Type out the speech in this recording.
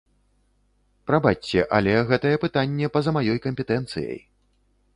Прабачце, але гэтае пытанне па-за маёй кампетэнцыяй.